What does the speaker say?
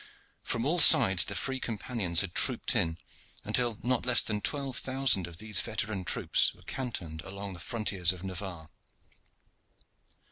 From all sides the free companions had trooped in, until not less than twelve thousand of these veteran troops were cantoned along the frontiers of Navarre.